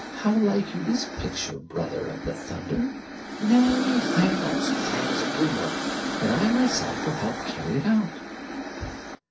How like you this picture, brother of the thunder? Nay, Heimdal's plan is a good one, and I myself will help to carry it out."